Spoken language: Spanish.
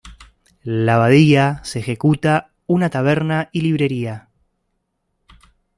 La abadía se ejecuta una taberna y librería.